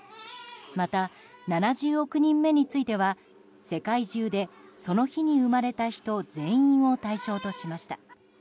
また、７０億人目については世界中でその日に生まれた人全員を対象としました。